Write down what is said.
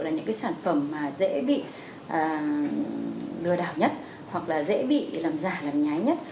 là những sản phẩm dễ bị lừa đảo nhất hoặc dễ bị làm giả làm nhái nhất